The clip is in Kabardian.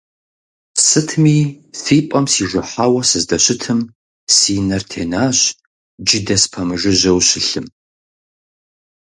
Сытми, си пӀэм сижыхьауэ сыздэщытым, си нэр тенащ джыдэ спэмыжыжьэу щылъым.